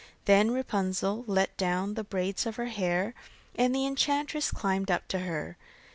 Then Rapunzel let down the braids of her hair, and the enchantress climbed up to her.